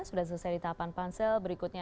sudah selesai di tahapan pansel berikutnya